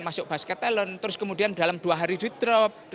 masuk basket talent terus kemudian dalam dua hari di drop